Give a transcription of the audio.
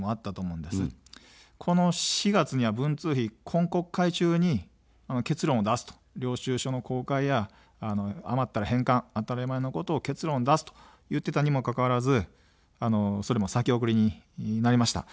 この４月には文通費、今国会中に結論を出すと、領収書の公開や余ったら返還、当たり前のことを結論出すと言っていたにもかかわらず、それも先送りになりました。